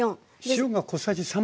塩が小さじ1/3。